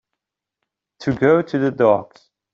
To go to the dogs.